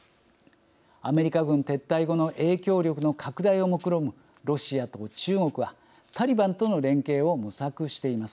アメリカ軍撤退後の影響力の拡大をもくろむロシアと中国はタリバンとの連携を模索しています。